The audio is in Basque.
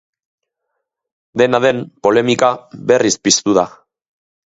Dena den, polemika berriz piztu da.